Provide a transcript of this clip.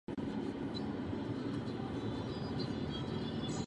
Tomáš Akvinský.